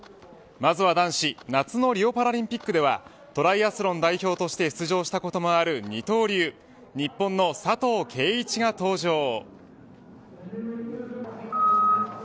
まずは男子夏のリオパラリンピックではトライアスロン代表として出場したこともある二刀流日本の佐藤圭一が登場。